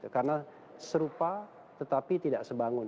karena serupa tetapi tidak sebangun